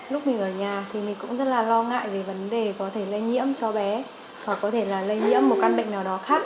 lúc mình ở nhà thì mình cũng rất là lo ngại về vấn đề có thể lây nhiễm cho bé hoặc có thể là lây nhiễm một căn bệnh nào đó khác